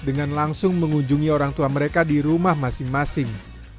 dengan langsung mengunjungi orang tua mereka di rumah masing masing